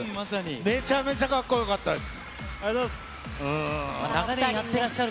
めちゃめちゃかっこよかったです。